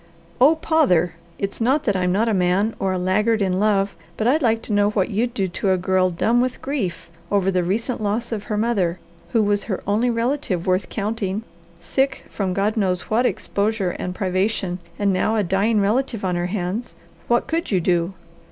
"Oh pother! It's not that I'm not a man, or a laggard in love; but I'd like to know what you'd do to a girl dumb with grief over the recent loss of her mother, who was her only relative worth counting, sick from God knows what exposure and privation, and now a dying relative on her hands. What could you do?"